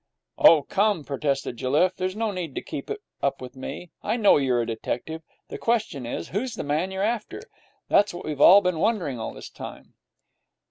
'Oh, come,' protested Jelliffe; 'there's no need to keep it up with me. I know you're a detective. The question is, Who's the man you're after? That's what we've all been wondering all this time.'